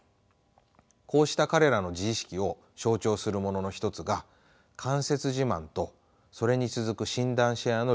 こうした彼らの自意識を象徴するものの一つが間接自慢とそれに続く診断シェアの流行ではないでしょうか。